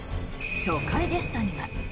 初回ゲストには。